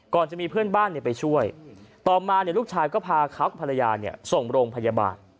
จะมีเพื่อนบ้านไปช่วยต่อมาลูกชายก็พาเขากับภรรยาส่งโรงพยาบาล